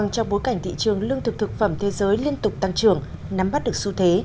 trong bối cảnh thị trường lương thực thực phẩm thế giới liên tục tăng trưởng nắm bắt được xu thế